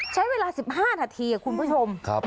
ใช้เวลา๑๕นาทีคุณผู้ชม